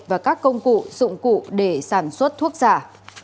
và các công cụ dụng cụ để sản xuất thuốc giả